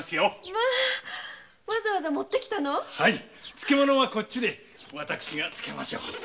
漬物はこっちで私が漬けましょう。